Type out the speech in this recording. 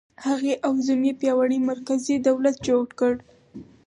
هغې او زوم یې پیاوړی مرکزي دولت جوړ کړ.